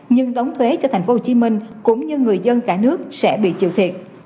nhưng đóng thuế cho thành phố hồ chí minh cũng như người dân cả nước sẽ bị chịu thiệt